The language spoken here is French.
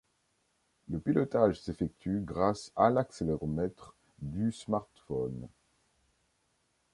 Le pilotage s'effectue grâce à l'accéléromètre du smartphone.